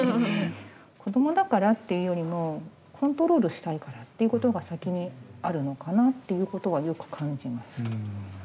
子どもだからっていうよりもコントロールしたいからっていうことが先にあるのかなっていうことはよく感じます。